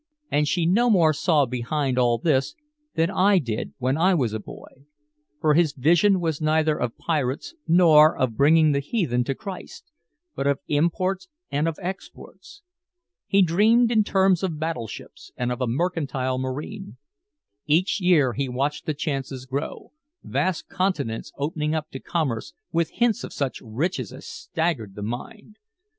And she no more saw behind all this than I did when I was a boy. For his vision was neither of pirates nor of bringing the heathen to Christ, but of imports and of exports. He dreamed in terms of battleships and of a mercantile marine. Each year he watched the chances grow, vast continents opening up to commerce with hints of such riches as staggered the mind.